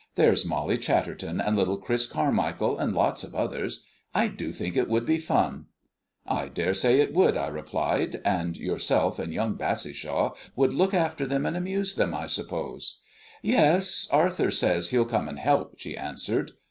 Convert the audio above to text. There's Molly Chatterton, and little Chris Carmichael, and lots of others. I do think it would be fun." "I daresay it would," I replied. "And yourself and young Bassishaw would look after them and amuse them, I suppose?" "Yes, Arthur says he'll come and help," she answered.